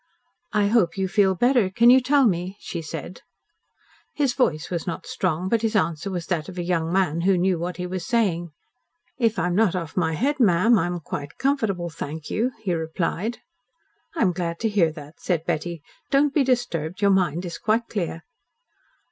"I hope you feel better. Can you tell me?" she said. His voice was not strong, but his answer was that of a young man who knew what he was saying. "If I'm not off my head, ma'am, I'm quite comfortable, thank you," he replied. "I am glad to hear that," said Betty. "Don't be disturbed. Your mind is quite clear."